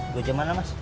gue jaman lah mas